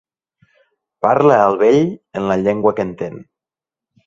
Parla al vell en la llengua que entén.